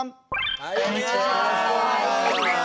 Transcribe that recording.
こんにちは。